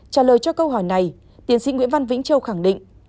trả lời cho câu hỏi này tiến sĩ nguyễn văn vĩnh châu khẳng định